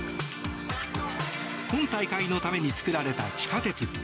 今大会のために作られた地下鉄。